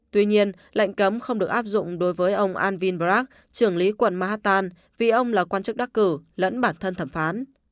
tuy nhiên lệnh cấm không được áp dụng đối với ông alvin bragg trưởng lý quận mahatan vì ông là quan chức đắc cử lẫn bản thân thẩm phán